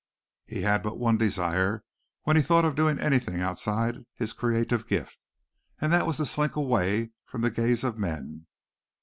He had but one desire when he thought of doing anything outside his creative gift, and that was to slink away from the gaze of men.